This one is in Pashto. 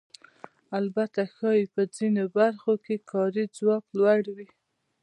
البته ښایي په ځینو برخو کې کاري ځواک لوړ وي